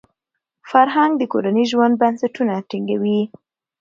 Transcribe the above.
فرهنګ د کورني ژوند بنسټونه ټینګوي.